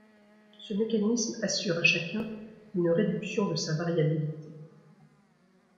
Ce mécanisme assure à chacun une réduction de sa variabilité.